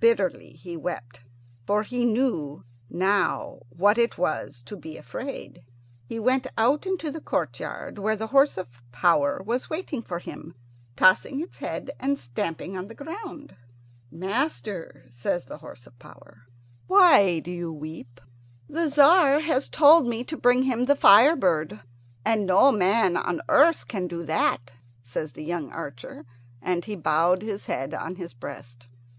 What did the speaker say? Bitterly he wept, for he knew now what it was to be afraid. He went out into the courtyard, where the horse of power was waiting for him, tossing its head and stamping on the ground. "Master," says the horse of power, "why do you weep?" "The Tzar has told me to bring him the fire bird, and no man on earth can do that," says the young archer, and he bowed his head on his breast.